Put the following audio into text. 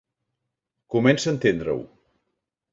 Comença a entendre-ho.